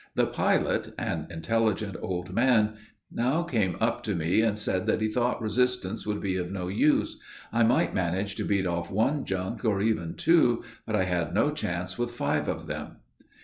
The pilot, an intelligent old man, now came up to me, and said that he thought resistance would be of no use; I might manage to beat off one junk, or even two, but I had no chance with five of them.